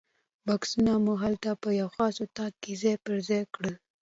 بکسونه مو هلته په یوه خاص اتاق کې ځای پر ځای کړل.